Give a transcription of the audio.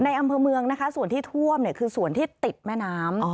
อำเภอเมืองนะคะส่วนที่ท่วมเนี่ยคือส่วนที่ติดแม่น้ำ